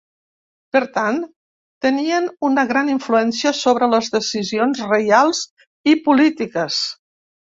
Per tant, tenien una gran influència sobre les decisions reials i polítiques.